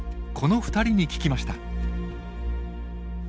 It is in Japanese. この２人に聞きました。